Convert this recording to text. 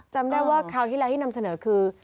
จำได้ว่าคราวที่แล้วที่นำเสนอคือ